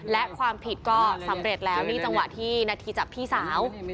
และความผิดก็สำเร็จแล้วนี่จังหวะที่นาทีจับพี่สาว